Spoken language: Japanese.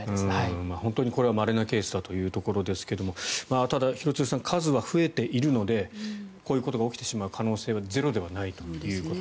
これはまれなケースだということですがただ、廣津留さん数は増えているのでこういうことが起きてしまう可能性はゼロではないと。